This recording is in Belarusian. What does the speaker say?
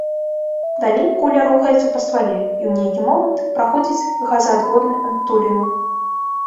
Далей куля рухаецца па ствале і, у нейкі момант, праходзіць газаадводны адтуліну.